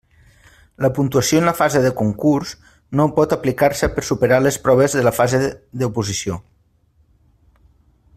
La puntuació en la fase de concurs no pot aplicar-se per superar les proves de la fase d'oposició.